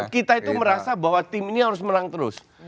kita itu merasa bahwa tim ini harus menang terus